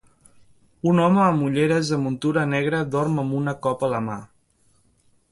un home amb ulleres de muntura negra dorm amb una copa a la mà